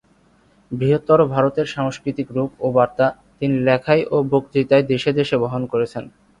বৃহত্তর ভারতের সাংস্কৃতিক রূপ ও বার্তা তিনি লেখায় ও বক্তৃতায় দেশে দেশে বহন করেছেন।